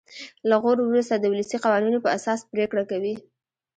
له غور وروسته د ولسي قوانینو په اساس پرېکړه کوي.